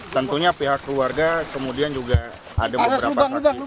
tentunya pihak keluarga kemudian juga ada beberapa saksi